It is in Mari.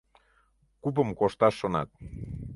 Купым кошташ шонат.